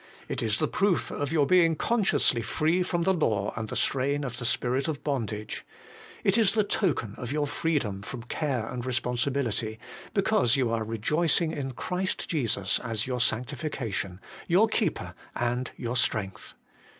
It is the proof of your being consciously free from the law and the strain of the spirit of bondage. It is the token of your freedom from care and responsibility, because you are rejoicing in Christ Jesus as your Sanctification, your Keeper, and your Strength.